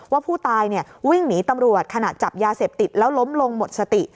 ว่าผู้ตายวิ่งหนีตำรวจขณะจับยาเสพติดแล้วล้มลงหมดสติ